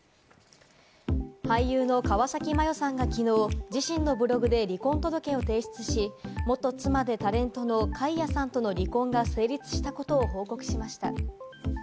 俳優の川崎麻世さんがきのう、自身のブログで離婚届を提出し、元妻でタレントのカイヤさんとの離婚が成立したことを報告しました。